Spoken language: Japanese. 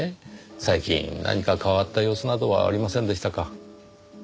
最近何か変わった様子などはありませんでしたか？